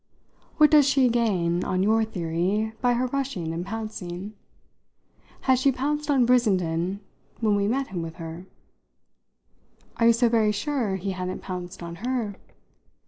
What does she gain, on your theory, by her rushing and pouncing? Had she pounced on Brissenden when we met him with her? Are you so very sure he hadn't pounced on her?